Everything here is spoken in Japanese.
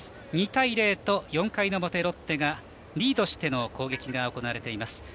２対０と４回の表ロッテがリードして攻撃が行われています。